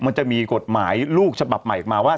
มันจะมีกฎหมายลูกฉบับใหม่ออกมาว่า